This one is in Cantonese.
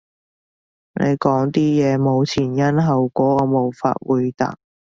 你講啲嘢冇前因後果，我無法回答